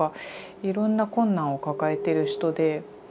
いろんな困難を抱えてる人で。